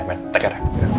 ya meneh teker